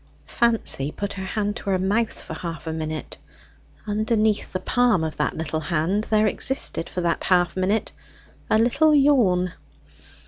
Fancy put her hand to her mouth for half a minute. Underneath the palm of that little hand there existed for that half minute a little yawn.